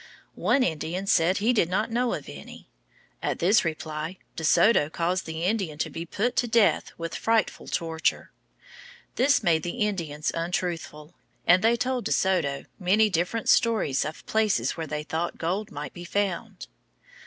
One Indian said he did not know of any. At this reply De Soto caused the Indian to be put to death with frightful torture. This made the Indians untruthful, and they told De Soto many different stories of places where they thought gold might be found.